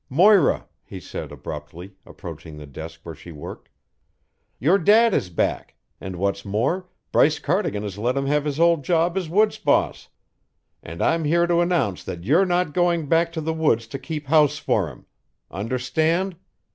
"Moira," he said abruptly, approaching the desk where she worked, "your dad is back, and what's more, Bryce Cardigan has let him have his old job as woods boss. And I'm here to announce that you're not going back to the woods to keep house for him. Understand?